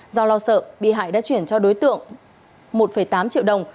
do lo sợ bị hại đã chuyển cho đối tượng một tám triệu đồng